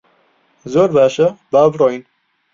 زۆر باشە، با بڕۆین.